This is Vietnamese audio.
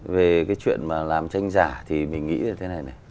về cái chuyện mà làm tranh giả thì mình nghĩ là thế này này